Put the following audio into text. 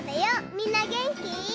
みんなげんき？